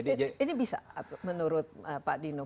ini bisa menurut pak dino